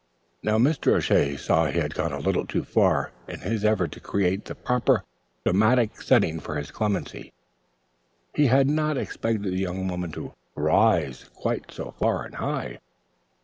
Now Mr. O'Shea saw he had gone a little too far in his effort to create the proper dramatic setting for his clemency. He had not expected the young woman to "rise" quite so far and high.